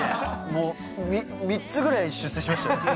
もう３つぐらい出世しましたよね。